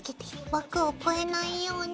枠を越えないように。